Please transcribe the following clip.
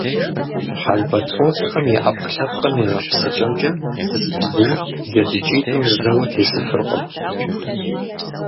Албатросхэм я Ӏэпкълъэпкъым и гъэпсыкӀэмкӀэ, зы бзур джэдыкӀитӀым зэуэ тесыфыркъым.